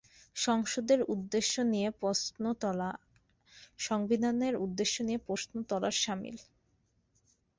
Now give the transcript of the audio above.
সংসদের উদ্দেশ্য নিয়ে প্রশ্ন তোলা সংবিধানের উদ্দেশ্য নিয়ে প্রশ্ন তোলার শামিল।